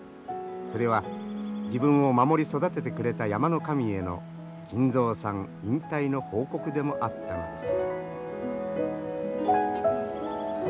それは自分を守り育ててくれた山の神への金蔵さん引退の報告でもあったのです。